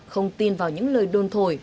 không tin vào những lời đồn thổi